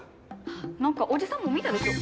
なんかおじさんも見たでしょ。